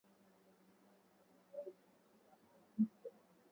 Ripoti hiyo haikutoa sababu ya Iran kusitisha kwa muda mazungumzo